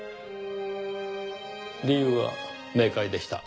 理由は明快でした。